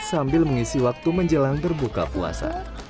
sambil mengisi waktu menjelang berbuka puasa